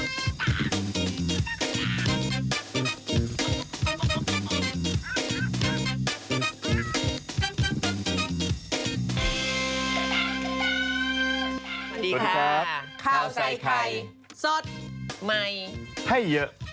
สวัสดีค่ะข้าวใส่ไข่สดใหม่ให้เยอะ